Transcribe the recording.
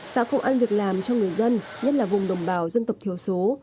tạo công an việc làm cho người dân nhất là vùng đồng bào dân tộc thiếu số